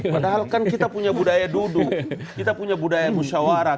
padahal kan kita punya budaya duduk kita punya budaya musyawarah